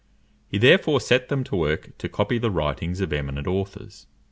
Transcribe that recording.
He, therefore, set them to work to copy the writings of eminent authors.